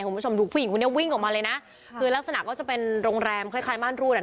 ผู้หญิงคนนี้วิ่งออกมาเลยนะลักษณะก็จะเป็นโรงแรมคล้ายบ้านรูด